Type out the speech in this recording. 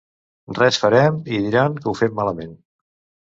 Res farem i diran que ho fem malament.